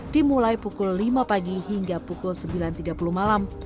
dimulai pukul lima pagi hingga pukul sembilan tiga puluh malam